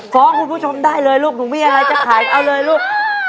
คุณผู้ชมได้เลยลูกหนูมีอะไรจะขายเอาเลยลูก